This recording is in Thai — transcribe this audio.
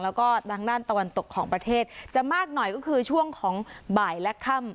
แล้วก็ทางด้านตะวันตกของประเทศจะมากหน่อยก็คือช่วงของบ่ายและค่ำ